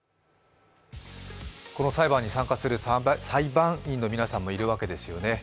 この裁判に参加する裁判員の皆さんもいるわけですよね。